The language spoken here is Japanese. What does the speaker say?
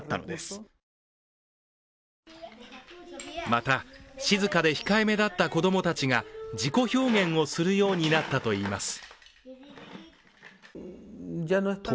また静かで控えめだった子供たちが自己表現をするようになったといいます。